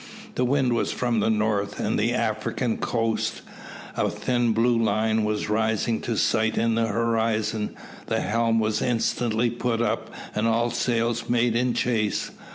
The wind was from the north, and the African coast, a thin blue line, was rising to sight in the horizon. The helm was instantly put up, and all sail made in chase.